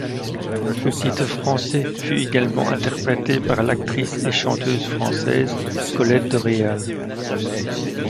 Le titre français fut également interprété par l'actrice et chanteuse française Colette Deréal.